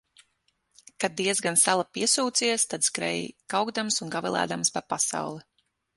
Kad diezgan sala piesūcies, tad skrej kaukdams un gavilēdams pa pasauli.